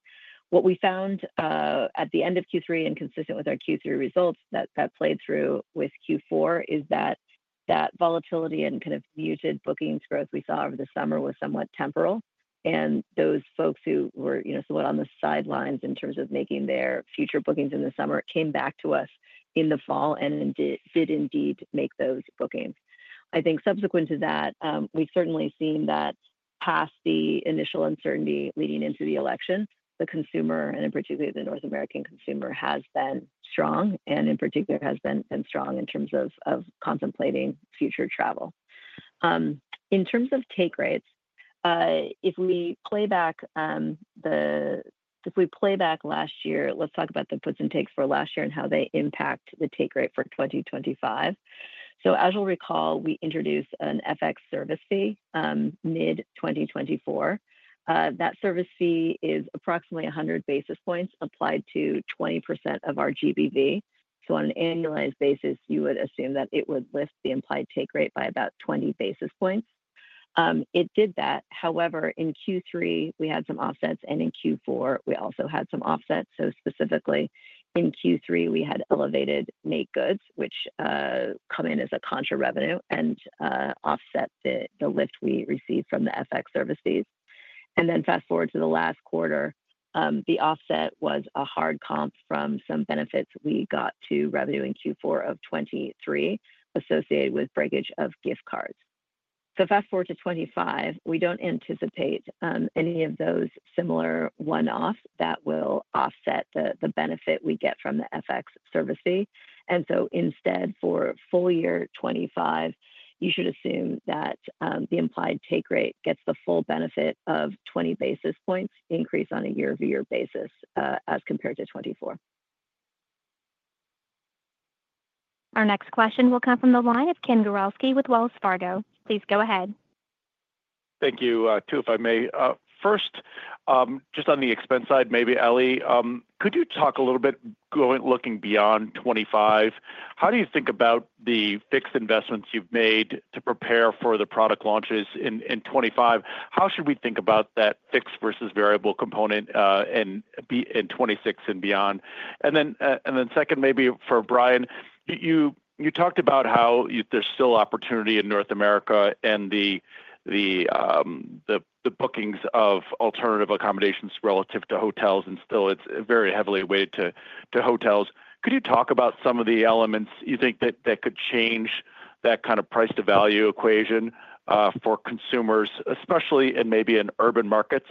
What we found at the end of Q3 and consistent with our Q3 results that played through with Q4 is that that volatility and kind of muted bookings growth we saw over the summer was somewhat temporal. And those folks who were, you know, somewhat on the sidelines in terms of making their future bookings in the summer came back to us in the fall and did indeed make those bookings. I think subsequent to that, we've certainly seen that past the initial uncertainty leading into the election, the consumer, and in particular the North American consumer, has been strong and in particular has been strong in terms of contemplating future travel. In terms of take rates, if we play back last year, let's talk about the puts and takes for last year and how they impact the take rate for 2025. So as you'll recall, we introduced an FX service fee mid-2024. That service fee is approximately 100 basis points applied to 20% of our GBV. On an annualized basis, you would assume that it would lift the implied take rate by about 20 basis points. It did that. However, in Q3, we had some offsets, and in Q4, we also had some offsets. Specifically in Q3, we had elevated NAIC goods, which come in as a contra revenue and offset the lift we received from the FX service fees. Then fast forward to the last quarter, the offset was a hard comp from some benefits we got to revenue in Q4 of 2023 associated with breakage of gift cards. Fast forward to 2025, we don't anticipate any of those similar one-offs that will offset the benefit we get from the FX service fee. Instead for full year 2025, you should assume that the implied take rate gets the full benefit of 20 basis points increase on a year-over-year basis as compared to 2024. Our next question will come from the line of Ken Gawrelski with Wells Fargo. Please go ahead. Thank you, too, if I may. First, just on the expense side, maybe, Ellie, could you talk a little bit, going forward, looking beyond 2025? How do you think about the fixed investments you've made to prepare for the product launches in 2025? How should we think about that fixed versus variable component in 2026 and beyond? And then second, maybe for Brian, you talked about how there's still opportunity in North America and the bookings of alternative accommodations relative to hotels, and still it's very heavily weighted to hotels. Could you talk about some of the elements you think that could change that kind of price-to-value equation for consumers, especially in maybe urban markets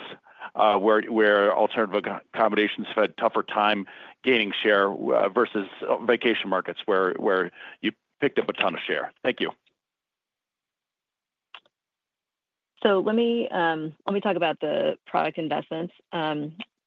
where alternative accommodations have had a tougher time gaining share versus vacation markets where you picked up a ton of share? Thank you. So let me talk about the product investments.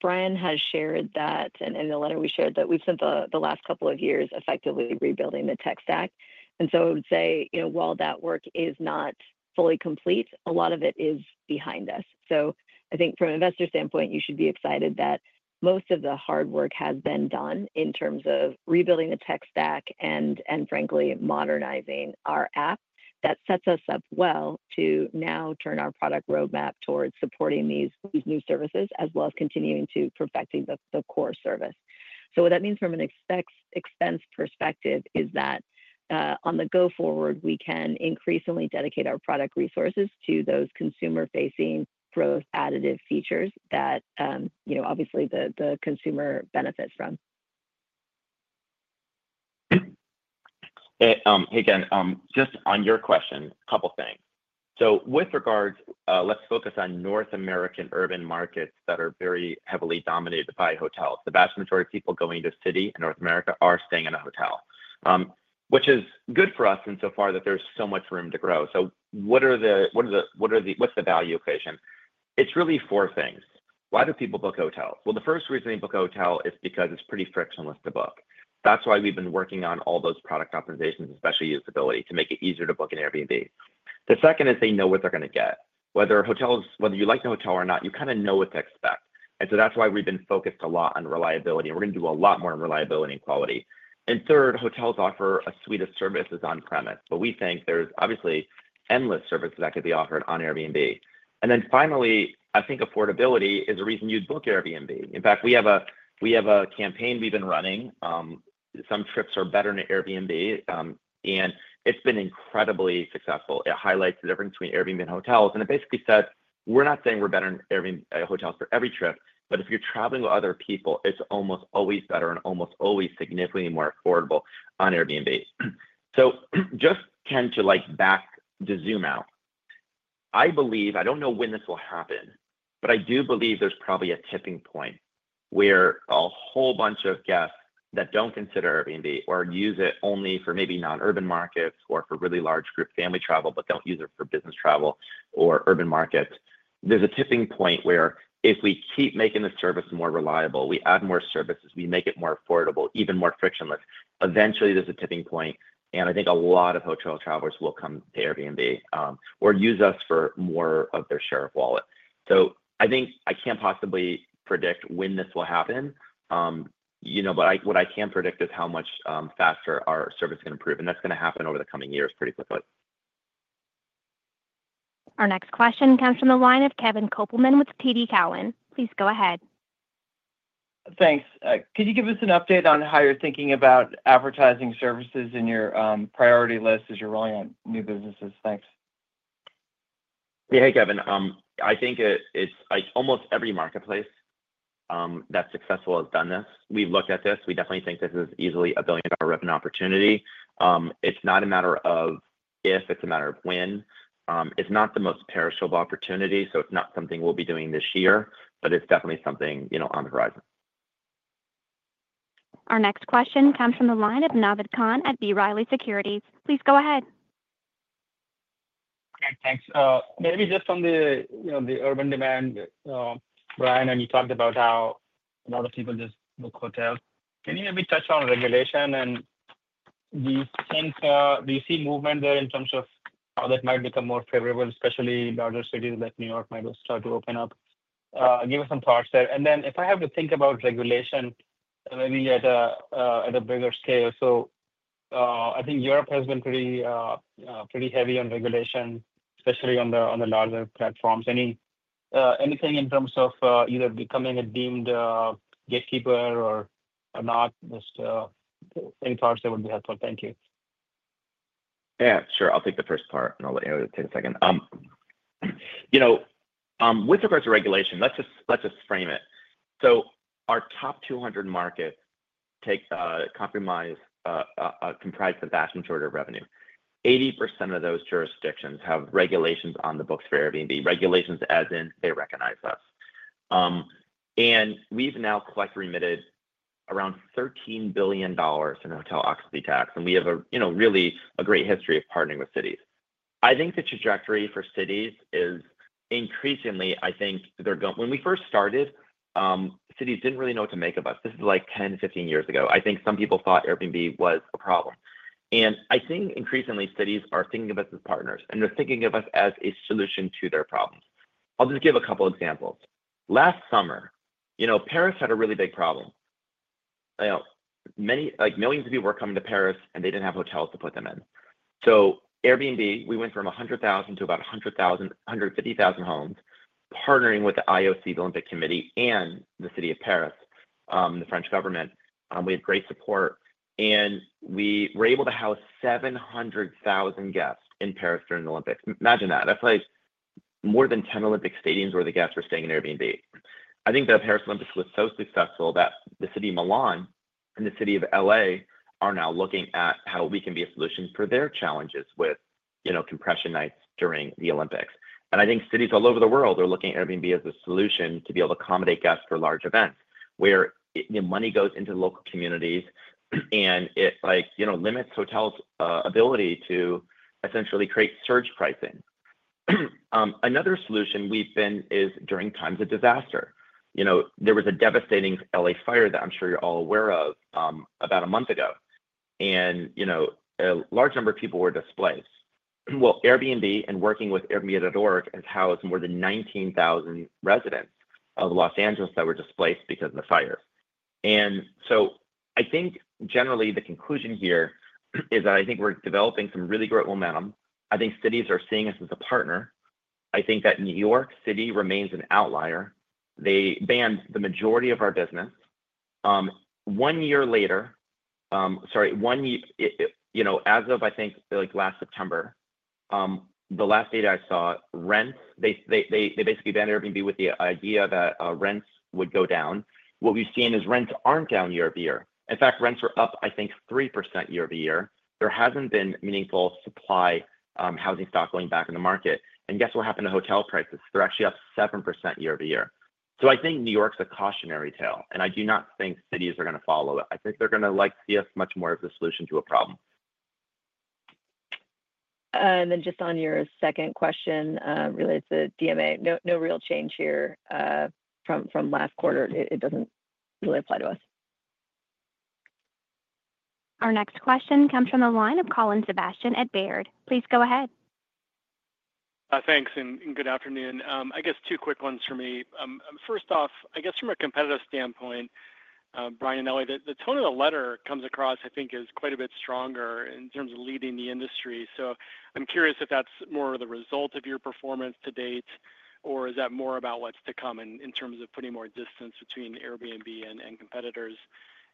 Brian has shared that, and in the letter we shared, that we've spent the last couple of years effectively rebuilding the tech stack. And so I would say, you know, while that work is not fully complete, a lot of it is behind us. So I think from an investor standpoint, you should be excited that most of the hard work has been done in terms of rebuilding the tech stack and, frankly, modernizing our app. That sets us up well to now turn our product roadmap towards supporting these new services as well as continuing to perfect the core service. So what that means from an expense perspective is that on the go forward, we can increasingly dedicate our product resources to those consumer-facing growth additive features that, you know, obviously the consumer benefits from. Hey, again, just on your question, a couple of things, so with regards, let's focus on North American urban markets that are very heavily dominated by hotels. The vast majority of people going to the city in North America are staying in a hotel, which is good for us insofar as there's so much room to grow, so what's the value equation? It's really four things. Why do people book hotels, well, the first reason they book a hotel is because it's pretty frictionless to book. That's why we've been working on all those product optimizations, especially usability, to make it easier to book an Airbnb. The second is they know what they're going to get. With hotels, whether you like the hotel or not, you kind of know what to expect, and so that's why we've been focused a lot on reliability. We're going to do a lot more on reliability and quality. Third, hotels offer a suite of services on-premise, but we think there's obviously endless services that could be offered on Airbnb. Finally, I think affordability is a reason you'd book Airbnb. In fact, we have a campaign we've been running. Some trips are better in Airbnb, and it's been incredibly successful. It highlights the difference between Airbnb and hotels. It basically said, we're not saying we're better in Airbnb hotels for every trip, but if you're traveling with other people, it's almost always better and almost always significantly more affordable on Airbnb. So just kind of to like back to zoom out, I believe, I don't know when this will happen, but I do believe there's probably a tipping point where a whole bunch of guests that don't consider Airbnb or use it only for maybe non-urban markets or for really large group family travel, but don't use it for business travel or urban markets. There's a tipping point where if we keep making the service more reliable, we add more services, we make it more affordable, even more frictionless, eventually there's a tipping point. And I think a lot of hotel travelers will come to Airbnb or use us for more of their share of wallet. So I think I can't possibly predict when this will happen, you know, but what I can predict is how much faster our service is going to improve. That's going to happen over the coming years pretty quickly. Our next question comes from the line of Kevin Kopelman with TD Cowen. Please go ahead. Thanks. Could you give us an update on how you're thinking about advertising services in your priority list as you're rolling out new businesses? Thanks. Yeah, hey, Kevin. I think it's almost every marketplace that's successful has done this. We've looked at this. We definitely think this is easily a billion-dollar revenue opportunity. It's not a matter of if, it's a matter of when. It's not the most perishable opportunity, so it's not something we'll be doing this year, but it's definitely something, you know, on the horizon. Our next question comes from the line of Naved Khan at B. Riley Securities. Please go ahead. Okay, thanks. Maybe just on the, you know, the urban demand, Brian, and you talked about how a lot of people just book hotels. Can you maybe touch on regulation and do you think, do you see movement there in terms of how that might become more favorable, especially larger cities like New York might start to open up? Give us some thoughts there and then if I have to think about regulation, maybe at a bigger scale. So I think Europe has been pretty heavy on regulation, especially on the larger platforms. Anything in terms of either becoming a deemed gatekeeper or not? Just any thoughts that would be helpful. Thank you. Yeah, sure. I'll take the first part and I'll let you take a second. You know, with regards to regulation, let's just frame it. So our top 200 markets comprise the vast majority of revenue. 80% of those jurisdictions have regulations on the books for Airbnb, regulations as in they recognize us and we've now collected, remitted around $13 billion in hotel occupancy tax. And we have, you know, really a great history of partnering with cities. I think the trajectory for cities is increasingly, I think they're going, when we first started, cities didn't really know what to make of us. This is like 10, 15 years ago. I think some people thought Airbnb was a problem and I think increasingly cities are thinking of us as partners and they're thinking of us as a solution to their problems. I'll just give a couple of examples. Last summer, you know, Paris had a really big problem. You know, many, like millions of people were coming to Paris and they didn't have hotels to put them in. So Airbnb, we went from 100,000 to about 150,000 homes, partnering with the IOC, the Olympic Committee, and the city of Paris, the French government. We had great support and we were able to house 700,000 guests in Paris during the Olympics. Imagine that. That's like more than 10 Olympic stadiums where the guests were staying in Airbnb. I think the Paris Olympics was so successful that the city of Milan and the city of LA are now looking at how we can be a solution for their challenges with, you know, compression nights during the Olympics. I think cities all over the world are looking at Airbnb as a solution to be able to accommodate guests for large events where the money goes into local communities and it like, you know, limits hotels' ability to essentially create surge pricing. Another solution we've been is during times of disaster. You know, there was a devastating LA fire that I'm sure you're all aware of about a month ago. And, you know, a large number of people were displaced. Well, Airbnb and working with Airbnb.org has housed more than 19,000 residents of Los Angeles that were displaced because of the fire. And so I think generally the conclusion here is that I think we're developing some really great momentum. I think cities are seeing us as a partner. I think that New York City remains an outlier. They banned the majority of our business. One year later, sorry, one year, you know, as of I think like last September, the last data I saw, rents, they basically banned Airbnb with the idea that rents would go down. What we've seen is rents aren't down year-over-year. In fact, rents are up, I think, 3% year-over-year. There hasn't been meaningful supply housing stock going back in the market. And guess what happened to hotel prices? They're actually up 7% year-over-year. So I think New York's a cautionary tale, and I do not think cities are going to follow it. I think they're going to like see us much more as a solution to a problem. Just on your second question related to DMA, no real change here from last quarter. It doesn't really apply to us. Our next question comes from the line of Colin Sebastian at Baird. Please go ahead. Thanks and good afternoon. I guess two quick ones for me. First off, I guess from a competitive standpoint, Brian and Ellie, the tone of the letter comes across, I think, is quite a bit stronger in terms of leading the industry. So I'm curious if that's more of the result of your performance to date, or is that more about what's to come in terms of putting more distance between Airbnb and competitors?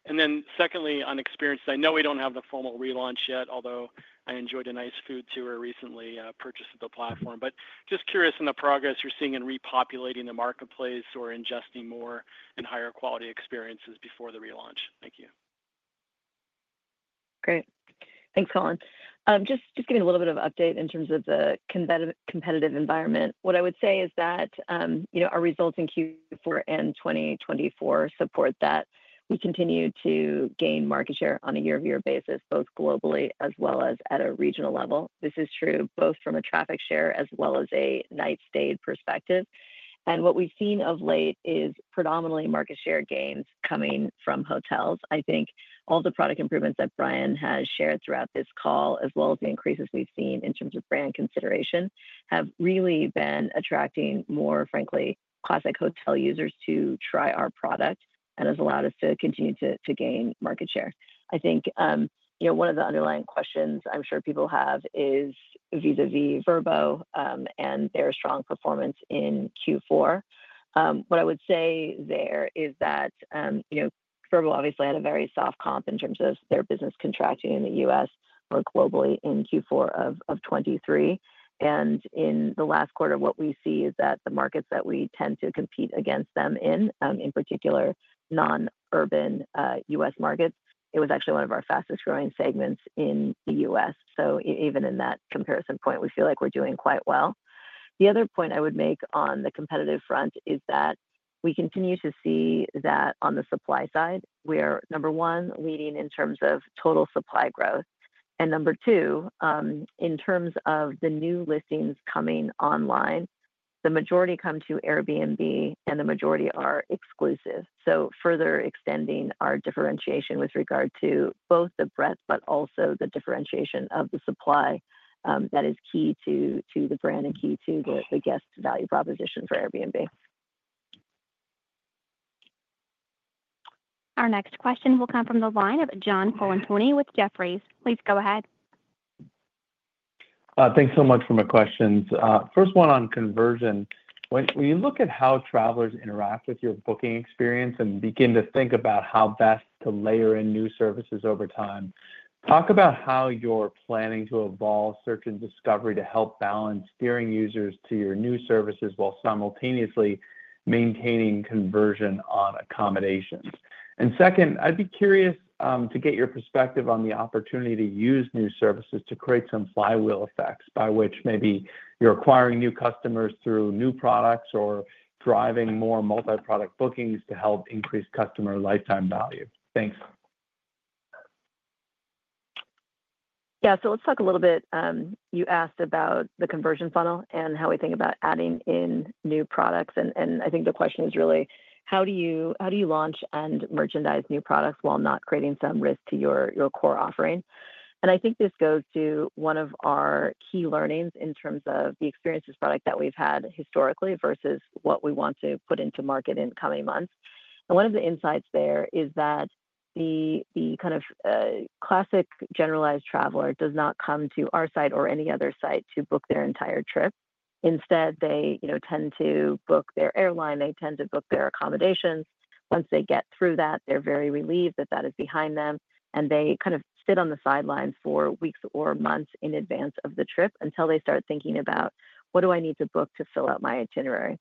And then secondly, on Experiences, I know we don't have the formal relaunch yet, although I enjoyed a nice food tour recently, purchased on the platform, but just curious about the progress you're seeing in repopulating the marketplace or ingesting more and higher quality experiences before the relaunch. Thank you. Great. Thanks, Colin. Just give me a little bit of update in terms of the competitive environment. What I would say is that, you know, our results in Q4 and 2024 support that we continue to gain market share on a year-over-year basis, both globally as well as at a regional level. This is true both from a traffic share as well as a night-stay perspective. And what we've seen of late is predominantly market share gains coming from hotels. I think all the product improvements that Brian has shared throughout this call, as well as the increases we've seen in terms of brand consideration, have really been attracting more, frankly, classic hotel users to try our product and has allowed us to continue to gain market share. I think, you know, one of the underlying questions I'm sure people have is vis-à-vis Vrbo and their strong performance in Q4. What I would say there is that, you know, Vrbo obviously had a very soft comp in terms of their business contracting in the US or globally in Q4 of 2023. And in the last quarter, what we see is that the markets that we tend to compete against them in, in particular non-urban US markets, it was actually one of our fastest growing segments in the US. So even in that comparison point, we feel like we're doing quite well. The other point I would make on the competitive front is that we continue to see that on the supply side, we are number one leading in terms of total supply growth. And number two, in terms of the new listings coming online, the majority come to Airbnb and the majority are exclusive. Further extending our differentiation with regard to both the breadth, but also the differentiation of the supply that is key to the brand and key to the guest value proposition for Airbnb. Our next question will come from the line of John Colantuoni with Jefferies. Please go ahead. Thanks so much for my questions. First one on conversion. When you look at how travelers interact with your booking experience and begin to think about how best to layer in new services over time, talk about how you're planning to evolve search and discovery to help balance steering users to your new services while simultaneously maintaining conversion on accommodations. And second, I'd be curious to get your perspective on the opportunity to use new services to create some flywheel effects by which maybe you're acquiring new customers through new products or driving more multi-product bookings to help increase customer lifetime value. Thanks. Yeah, so let's talk a little bit. You asked about the conversion funnel and how we think about adding in new products. And I think the question is really, how do you launch and merchandise new products while not creating some risk to your core offering? And I think this goes to one of our key learnings in terms of the experiences product that we've had historically versus what we want to put into market in coming months. And one of the insights there is that the kind of classic generalized traveler does not come to our site or any other site to book their entire trip. Instead, they, you know, tend to book their airline, they tend to book their accommodations. Once they get through that, they're very relieved that that is behind them. They kind of sit on the sidelines for weeks or months in advance of the trip until they start thinking about what do I need to book to fill out my itinerary.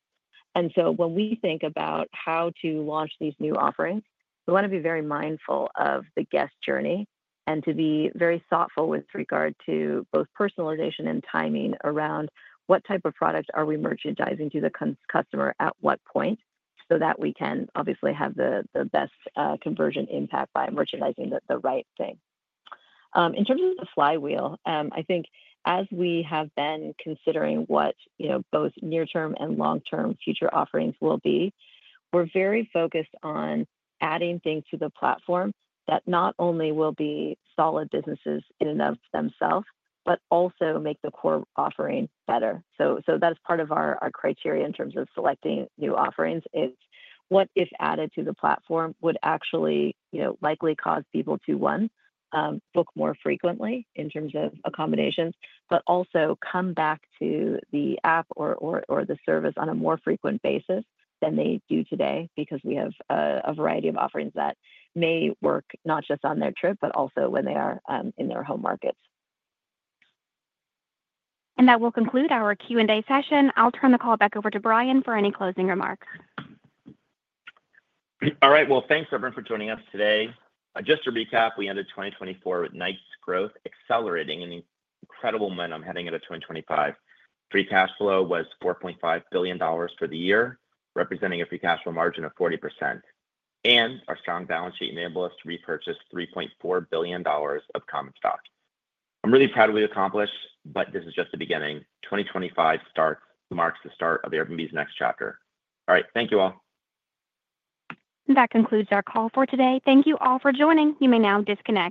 So when we think about how to launch these new offerings, we want to be very mindful of the guest journey and to be very thoughtful with regard to both personalization and timing around what type of product are we merchandising to the customer at what point so that we can obviously have the best conversion impact by merchandising the right thing. In terms of the flywheel, I think as we have been considering what, you know, both near-term and long-term future offerings will be, we're very focused on adding things to the platform that not only will be solid businesses in and of themselves, but also make the core offering better. So that's part of our criteria in terms of selecting new offerings is what if added to the platform would actually, you know, likely cause people to, one, book more frequently in terms of accommodations, but also come back to the app or the service on a more frequent basis than they do today because we have a variety of offerings that may work not just on their trip, but also when they are in their home markets. That will conclude our Q&A session. I'll turn the call back over to Brian for any closing remarks. All right, well, thanks everyone for joining us today. Just to recap, we ended 2024 with nice growth accelerating in incredible momentum heading into 2025. Free cash flow was $4.5 billion for the year, representing a free cash flow margin of 40%. And our strong balance sheet enabled us to repurchase $3.4 billion of common stock. I'm really proud of what we've accomplished, but this is just the beginning. 2025 marks the start of Airbnb's next chapter. All right, thank you all. That concludes our call for today. Thank you all for joining. You may now disconnect.